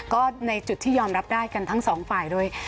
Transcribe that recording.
ก็ในจุดที่ยอมรับได้กันทั้งสองฝ่ายด้วย